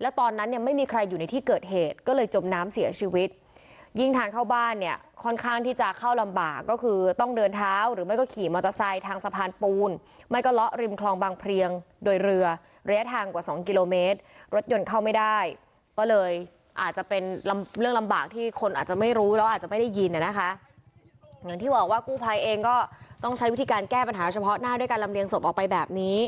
แล้วตอนนั้นเนี้ยไม่มีใครอยู่ในที่เกิดเหตุก็เลยจมน้ำเสียชีวิตยิงทางเข้าบ้านเนี้ยค่อนข้างที่จะเข้าลำบากก็คือต้องเดินเท้าหรือไม่ก็ขี่มอเตอร์ไซค์ทางสะพานปูนไม่ก็ละริมคลองบางเพลียงโดยเรือระยะทางกว่าสองกิโลเมตรรถยนต์เข้าไม่ได้ก็เลยอาจจะเป็นเรื่องลำบากที่คนอาจจะไม่รู้แล้วอาจจะไม่